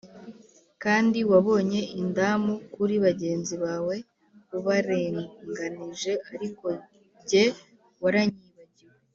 kandi wabonye indamu kuri bagenzi bawe ubarenganije, ariko jye waranyibagiwe